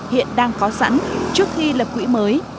hiện đang có sẵn trước khi lập quỹ mới